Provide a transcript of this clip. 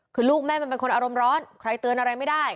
คือลูกแม่มันเป็นคนอารมณ์ร้อนใครเตือนอะไรไม่ได้